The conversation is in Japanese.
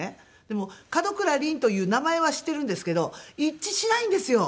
でも「門倉凛」という名前は知ってるんですけど一致しないんですよ。